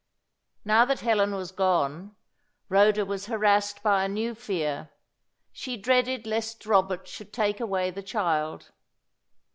Now that Helen was gone, Rhoda was harassed by a new fear. She dreaded lest Robert should take away the child.